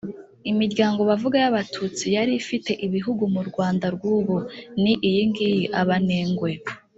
imiryango bavuga yabatutsi yari ifite ibihugu mu rwanda rw’ubu, ni iyi ngiyi: abenengwe,